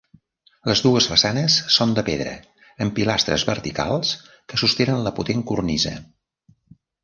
Les dues façanes són de pedra, amb pilastres verticals que sostenen la potent cornisa.